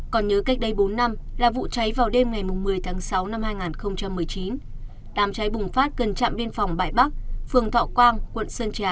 còn nhớ cách đây bốn năm là vụ cháy vào đêm ngày một mươi tháng sáu năm hai nghìn một mươi chín đám cháy bùng phát gần trạm biên phòng bãi bắc phường thọ quang quận sơn trà